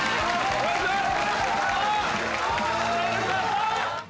お願いします！